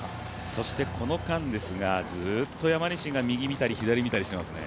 そしてこの間ですがずっと山西が右見たり左見たりしてますね